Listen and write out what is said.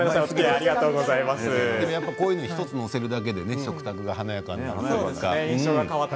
でもこういうのを１つ載せるだけで食卓が華やかになりますね。